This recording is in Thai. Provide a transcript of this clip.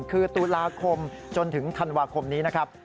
คือตุลาคมจนถึงธันวาคมนี้นะครับ